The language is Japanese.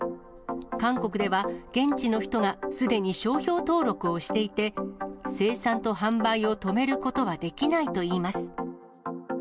韓国では、現地の人がすでに商標登録をしていて、生産と販売を止めることはできないといいます。